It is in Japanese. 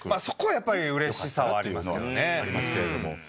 そこはやっぱり嬉しさはありますけどね。